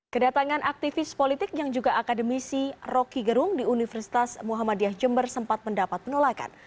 kedatangan aktivis politik yang juga akademisi roky gerung di universitas muhammadiyah jember sempat mendapat penolakan